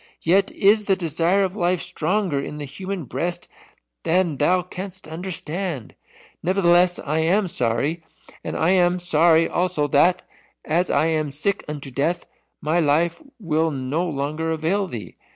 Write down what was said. Yet is the desire of life stronger in the human breast than thou canst understand. Nevertheless I am sorry, and I am sorry also that, as I am sick unto death, my life will no longer avail thee.